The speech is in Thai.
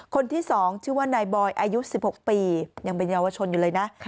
คนที่๒ชื่อว่านายบอยอายุ๑๖ปียังเป็นเยาวชนอยู่เลยนะ